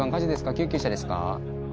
救急車ですか？